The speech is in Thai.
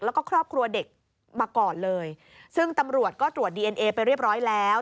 แล้วก็ครอบครัวเด็กมาก่อนเลยซึ่งตำรวจก็ตรวจดีเอ็นเอไปเรียบร้อยแล้ว